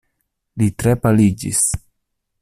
Li tre paliĝis.